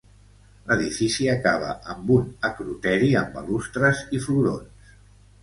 L'edifici acaba amb un acroteri amb balustres i florons.